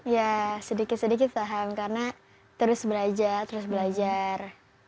ya sedikit sedikit saham karena terus belajar terus belajar